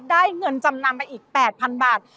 เงินจำนำไปอีก๘๐๐๐บาท